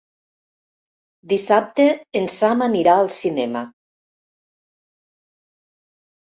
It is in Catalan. Dissabte en Sam anirà al cinema.